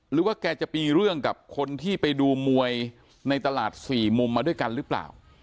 หรือว่าแกจะมีเรื่องกับคนที่ไปดูมวยในตลาดสี่มุมมาด้วยกันหรือเปล่า